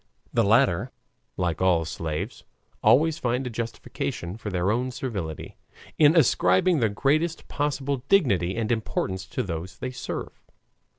The latter, like all slaves, always find a justification for their own servility, in ascribing the greatest possible dignity and importance to those they serve.